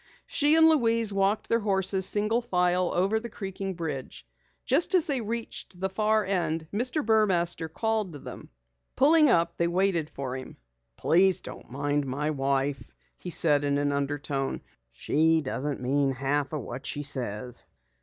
She and Louise walked their horses single file over the creaking bridge. Just as they reached the far end Mr. Burmaster called to them. Pulling up, they waited for him. "Please don't mind my wife," he said in an undertone. "She doesn't mean half what she says."